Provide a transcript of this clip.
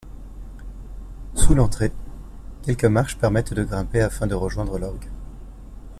Sous l'entrée, quelques marches permettent de grimper afin de rejoindre l'orgue.